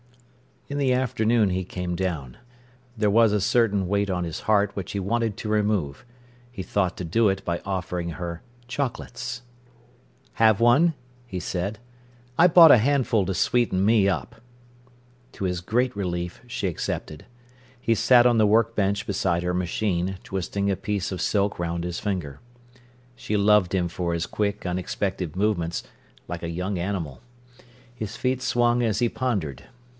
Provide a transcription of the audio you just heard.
In the afternoon he came down. There was a certain weight on his heart which he wanted to remove. He thought to do it by offering her chocolates. "Have one?" he said. "I bought a handful to sweeten me up." To his great relief, she accepted. He sat on the work bench beside her machine, twisting a piece of silk round his finger. She loved him for his quick, unexpected movements, like a young animal. His feet swung as he pondered.